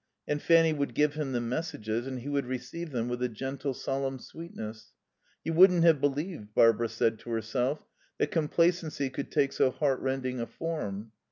And Fanny would give him the messages, and he would receive them with a gentle, solemn sweetness. You wouldn't have believed, Barbara said to herself, that complacency could take so heartrending a form.